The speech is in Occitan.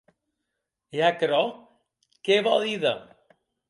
E aquerò qué vò díder!